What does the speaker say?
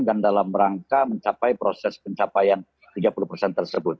dan dalam rangka mencapai proses pencapaian tiga puluh persen tersebut